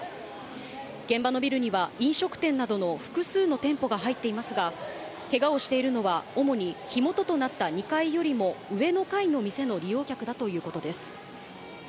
現場のビルには飲食店などの複数の店舗が入っていますが、けがをしているのは、主に火元となった２階よりも上の階の店の利用客だということです。